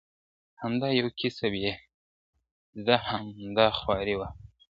همدایو کسب یې زده همدا خواري وه ,